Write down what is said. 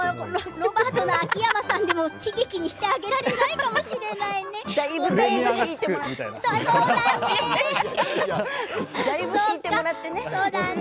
ロバートの秋山さんでも喜劇にしてあげられないかもしれないですね。